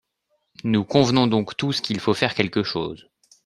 Nous convenons donc tous qu’il faut faire quelque chose.